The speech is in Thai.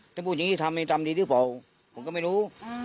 ถ้าพูดอย่างนี้ทำเองทำดีหรือเปล่าผมก็ไม่รู้